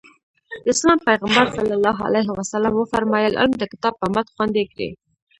د اسلام پیغمبر ص وفرمایل علم د کتابت په مټ خوندي کړئ.